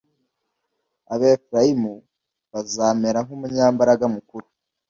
abefurayimu bazamera nk umunyambaraga mukuru